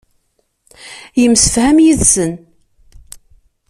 Yemsefham yid-sen.